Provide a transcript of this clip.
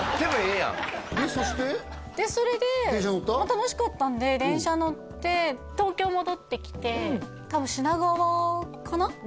楽しかったんで電車に乗って東京戻ってきて多分品川かな？